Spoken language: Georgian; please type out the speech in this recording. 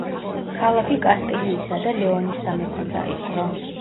ქალაქი კასტილიისა და ლეონის სამეფომ დაიპყრო.